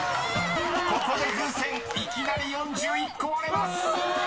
［ここで風船いきなり４１個割れます！］